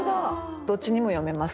どっちにも読めますね。